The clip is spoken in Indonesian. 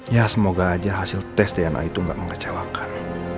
ya semoga aja hasil tes diana itu gak mengalami kesalahan